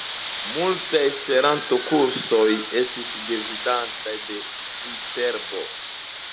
Multaj esperanto-kursoj estis gvidataj de Viterbo.